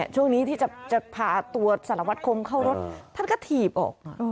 ช่วงนี้ที่จะพาตัวสารวัตรคมเข้ารถท่านก็ถีบออกมา